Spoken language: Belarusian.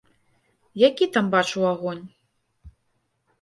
Які там бачыў агонь?